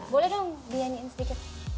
boleh dong dianyiin sedikit